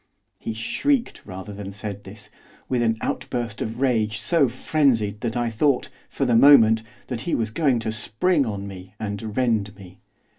He shrieked, rather than said this, with an outburst of rage so frenzied that I thought, for the moment, that he was going to spring on me and rend me.